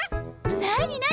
何何？